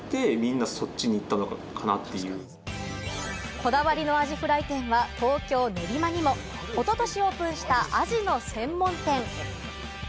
こだわりのアジフライ店は東京・練馬にも一昨年オープンしたアジの専門店。